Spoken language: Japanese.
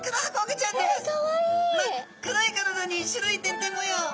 真っ黒い体に白い点々模様。